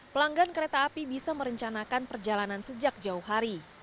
pelanggan kereta api bisa merencanakan perjalanan sejak jauh hari